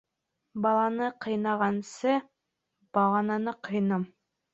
Баланы ҡыйнағансы, бағананы ҡыйна.